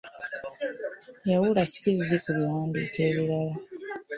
Yawula 'ssivvi' ku biwandiiko ebirala.